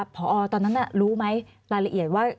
ผัวออลตอนนั้นน่ะรู้ไหมรายละเอียดว่า